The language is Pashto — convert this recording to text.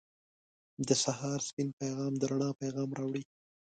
• د سهار سپین آسمان د رڼا پیغام راوړي.